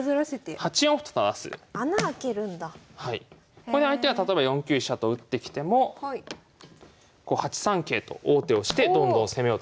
これで相手が例えば４九飛車と打ってきても８三桂と王手をしてどんどん攻めをつないでいくと。